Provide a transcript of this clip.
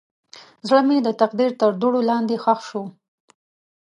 زړه مې د تقدیر تر دوړو لاندې ښخ شو.